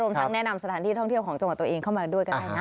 ทั้งแนะนำสถานที่ท่องเที่ยวของจังหวัดตัวเองเข้ามาด้วยก็ได้นะ